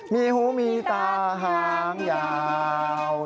มีหูมีตาหางยาว